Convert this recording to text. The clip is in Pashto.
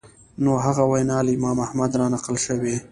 نو هغه وینا له امام احمد رانقل شوې